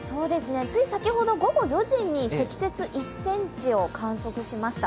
つい先ほど午後４時に積雪１ｃｍを観測しました。